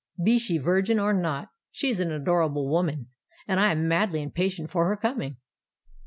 be she virgin or not, she is an adorable woman; and I am madly impatient for her coming."